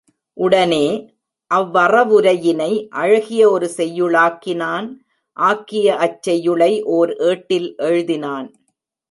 உடனே, அவ்வறவுரை யினை அழகிய ஒரு செய்யுளாக்கினான் ஆக்கிய அச் செய்யுளை ஓர் ஏட்டில் எழுதினான்.